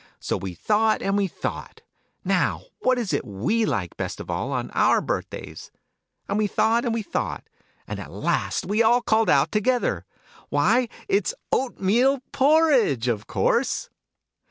So we thought and we thought 'Now, what is it tve like best of all, on our birthdays ? And we thought and we thought. And at last we all called out together 'Why, its oatmeal porridge, of course!'